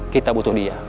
kita butuh dia